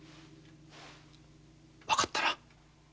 わかったな。